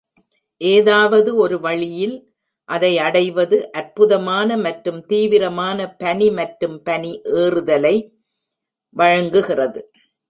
எதாவது ஒரு வழியில் அதை அடைவது "அற்புதமான மற்றும் தீவிரமான பனி மற்றும் பனி ஏறுதலை" வழங்குகிறது.